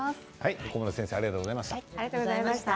中村先生ありがとうございました。